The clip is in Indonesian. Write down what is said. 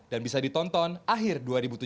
dan bisa ditonton akhir dua ribu tujuh belas